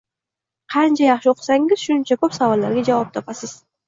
Qancha yaxshi oʻqisangiz, shuncha koʻp savollarga javob topasiz